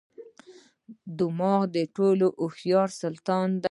دماغ ټولو هوښیار سلطان دی.